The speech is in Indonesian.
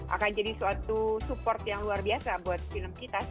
akan jadi suatu support yang luar biasa buat film kita